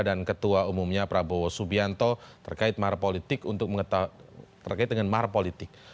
dan ketua umumnya prabowo subianto terkait mahar politik